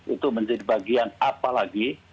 itu menjadi bagian apa lagi